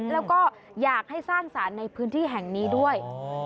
แล้วก็อยากให้สร้างสารในพื้นที่แห่งนี้ด้วย